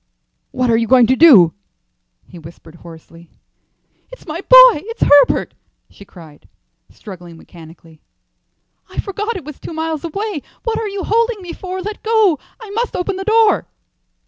"What are you going to do?" he whispered hoarsely. "It's my boy; it's Herbert!" she cried, struggling mechanically. "I forgot it was two miles away. What are you holding me for? Let go. I must open the door."